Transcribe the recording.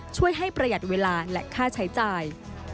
ช่วยให้ประหยัดเวลาและค่าใช้จ่าย